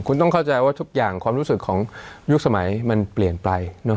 คุณต้องเข้าใจว่าทุกอย่างความรู้สึกของยุคสมัยมันเปลี่ยนไป